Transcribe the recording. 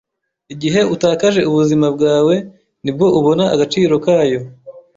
Igihe utakaje ubuzima bwawe ni bwo ubona agaciro kayo.